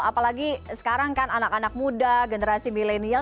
apalagi sekarang kan anak anak muda generasi milenial